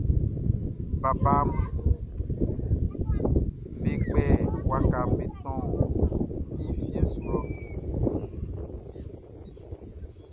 Bakanʼm be kpɛ waka be tɔn si fie su lɔ.